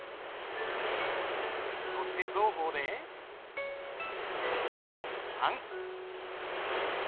そして蔵鋒で３。